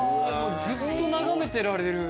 ずっと眺めてられる。